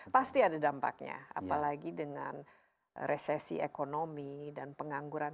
pasti ada dampaknya apalagi dengan resesi ekonomi dan pengangguran